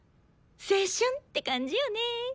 青春って感じよねぇ。